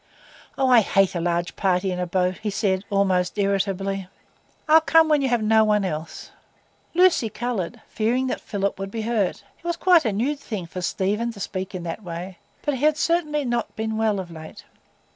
"Oh, I hate a large party in a boat," he said, almost irritably. "I'll come when you have no one else." Lucy coloured, fearing that Philip would be hurt; it was quite a new thing for Stephen to speak in that way; but he had certainly not been well of late.